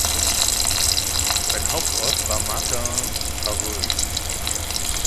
Sein Hauptort war Marcq-en-Barœul.